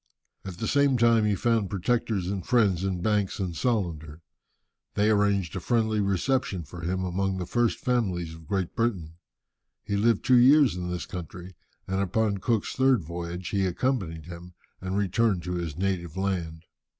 At the same time he found protectors and friends in Banks and Solander. They arranged a friendly reception for him among the first families of Great Britain. He lived two years in this country, and upon Cook's third voyage he accompanied him, and returned to his native land.